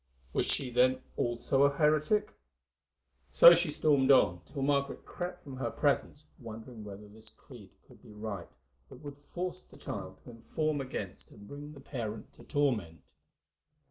Was she then a heretic also? So she stormed on, till Margaret crept from her presence wondering whether this creed could be right that would force the child to inform against and bring the parent to torment.